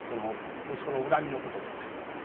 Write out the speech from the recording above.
息子の恨みのこととか。